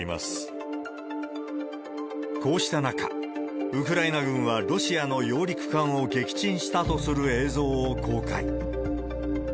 こうした中、ウクライナ軍はロシアの揚陸艦を撃沈したとする映像を公開。